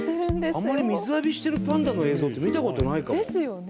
あんまり水浴びしてるパンダの映像って見たことないかも。ですよね。